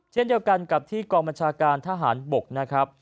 เช่นเดียวกันกับที่กรมบัญชาการทหารบก